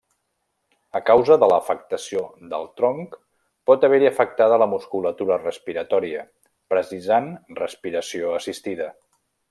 A causa de l'afectació del tronc pot haver-hi afectada la musculatura respiratòria, precisant respiració assistida.